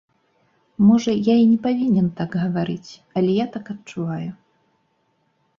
Можа, я і не павінен так гаварыць, але я так адчуваю.